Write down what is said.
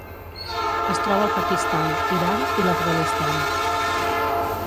Es troba al Pakistan, Iran i l'Afganistan.